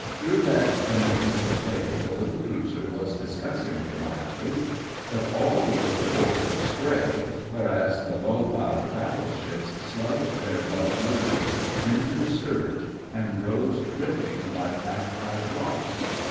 Through that penitential day the little cruiser was disgustingly lively, but all we took aboard was spray, whereas the low bowed battleships slugged their bluff noses into the surge and rose dripping like half tide rocks.